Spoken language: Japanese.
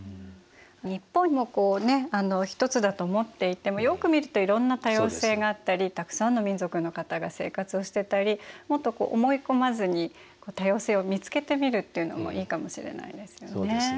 日本も一つだと思っていてもよく見るといろんな多様性があったりたくさんの民族の方が生活をしてたりもっと思い込まずに多様性を見つけてみるというのもいいかもしれないですよね。